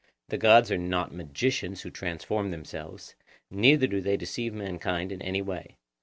The gods are not magicians who transform themselves, neither do they deceive mankind in any way.